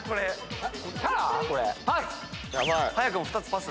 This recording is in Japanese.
パス！